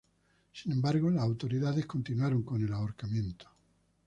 Sin embargo, las autoridades continuaron con el ahorcamiento.